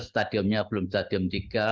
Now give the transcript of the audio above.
stadiumnya belum stadium tiga